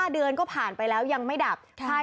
๕เดือนก็ผ่านไปแล้วยังไม่ดับ